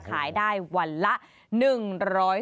ขายได้วันละ๑๐๐บาท